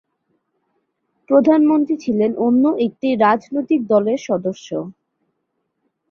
প্রধানমন্ত্রী ছিলেন অন্য একটি রাজনৈতিক দলের সদস্য।